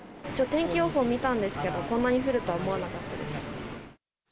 天気予報見たんですけど、こんなに降るとは思わなかったです。